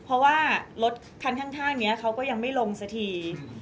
เพราะว่ารถคันข้างนี้เขาก็ยังไม่ลงสักที